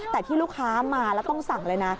แต่ที่ลูกค้ามาแล้วต้องสั่งเลยนะ